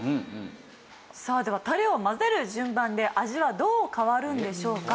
さあではタレを混ぜる順番で味はどう変わるんでしょうか？